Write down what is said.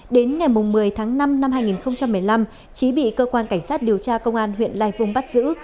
đến ngày một mươi tháng năm năm hai nghìn một mươi năm trí bị cơ quan cảnh sát điều tra công an huyện lai vung bắt giữ